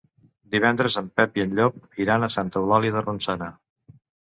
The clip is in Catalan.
Divendres en Pep i en Llop iran a Santa Eulàlia de Ronçana.